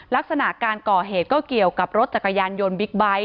ลักษณะการก่อเหตุก็เกี่ยวกับรถจักรยานยนต์บิ๊กไบท์